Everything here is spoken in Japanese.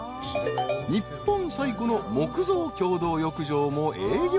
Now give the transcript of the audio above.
［日本最古の木造共同浴場も営業中］